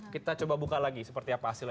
kita coba buka lagi seperti apa hasilnya